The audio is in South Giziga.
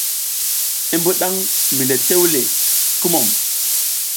I mbuɗatan mi le tewle, kumum !